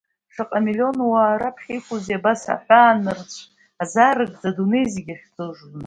Шаҟа миллион уаа раԥхьа иқәузеи, абас, аҳәаанырцә азаарыгӡа, адунеи зегьы иахьӡо ажурнал.